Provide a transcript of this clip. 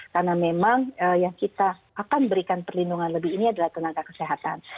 karena memang yang kita akan berikan perlindungan lebih ini adalah tenaga kesehatan